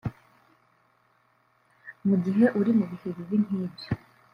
Mu gihe uri mu bihe bibi nk’ibyo